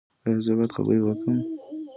ایا زه باید خبرې وکړم؟